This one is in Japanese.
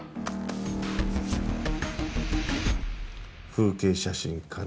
風景写真かな？